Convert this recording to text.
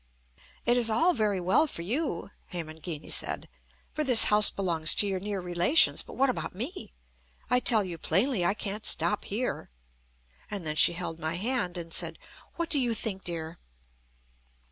"It is all very well for you," Hemangini said, "for this house belongs to your near relations. But what about me? I tell you plainly I can't stop here." And then she held my hand and said: "What do you think, dear?"